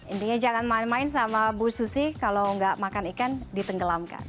intinya jangan main main sama bu susi kalau nggak makan ikan ditenggelamkan